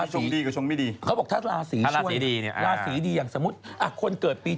ชงมีชงดีกับคนที่ไม่ดี